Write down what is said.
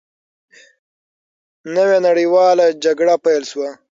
نوې نړیواله جګړه پیل شوه.